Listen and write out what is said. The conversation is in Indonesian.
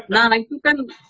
nah itu kan